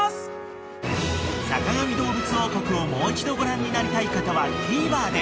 ［『坂上どうぶつ王国』をもう一度ご覧になりたい方はＴＶｅｒで］